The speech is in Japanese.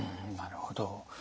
なるほど。